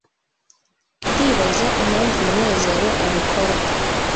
ndibaza impamvu munezero abikora